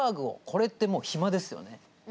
これってもうひまですよね。